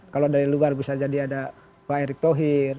kalau dari luar bisa jadi ada pak erick thohir